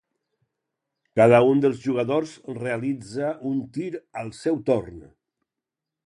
Cada un dels jugadors realitza un tir al seu torn.